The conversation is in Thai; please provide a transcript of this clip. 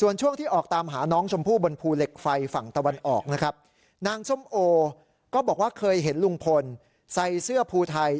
นางส้มโอก็บอกว่าเคยเห็นลุงพลใส่เสื้อภูไทย